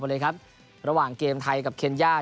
เลยครับระหว่างเกมไทยกับเคนย่า